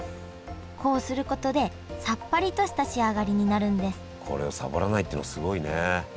こうすることでさっぱりとした仕上がりになるんですこれをサボらないっていうのはすごいね。